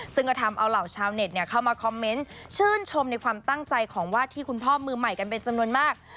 ซึ่งก็ทำเอาเหล่าชาวเน็ตเข้ามาคอมเมนต์ชื่นชมในความตั้งใจของวาดที่คุณพ่อมือใหม่กันเป็นจำนวนมาก